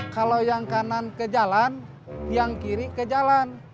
kalau yang kanan ke jalan yang kiri ke jalan